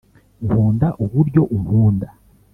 nkunda uburyo unkunda